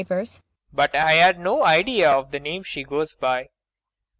But I had no idea of the name she now goes by.